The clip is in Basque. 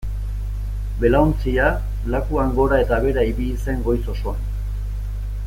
Belaontzia lakuan gora eta behera ibili zen goiz osoan.